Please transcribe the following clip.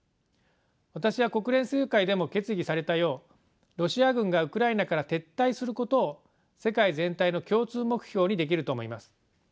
私は国連総会でも決議されたようロシア軍がウクライナから撤退することを世界全体の共通目標にできると思います。